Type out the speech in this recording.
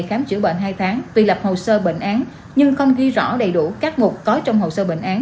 khám chữa bệnh hai tháng tùy lập hồ sơ bệnh án nhưng không ghi rõ đầy đủ các mục có trong hồ sơ bệnh án